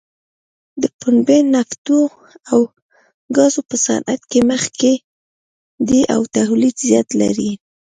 د پنبې، نفتو او ګازو په صنعت کې مخکې دی او تولید زیات لري.